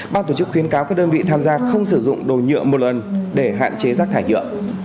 ban tổ chức khuyến cáo các đơn vị tham gia không sử dụng đồ nhựa một lần để hạn chế rác thải nhựa